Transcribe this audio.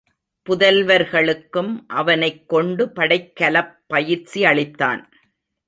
புதல்வர்களுக்கும் அவனைக்கொண்டு படைக்கலப் பயிற்சி அளித்தான்.